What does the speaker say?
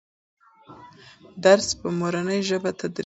درس په مورنۍ ژبه تدریس کېږي.